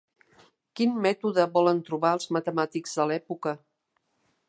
Quin mètode volen trobar els matemàtics de l'època?